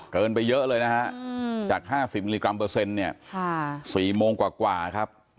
เกินไปเยอะเลยนะฮะจาก๕๐มิลลิกรัมเปอร์เซ็นต์เนี่ย๔โมงกว่าครับ